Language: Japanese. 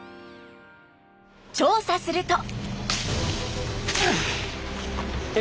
調査すると。